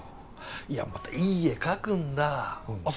いやまたいい絵描くんだあっ